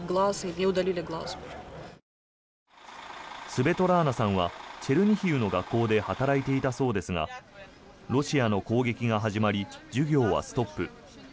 スベトラーナさんはチェルニヒウの学校で働いていたそうですがロシアの攻撃が始まり授業はストップ。